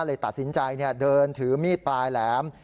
เลยตัดสินใจเดินถือมีดปลายแหลม